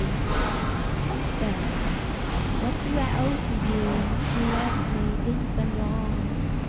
Debt What do I owe to you Who loved me deep and long?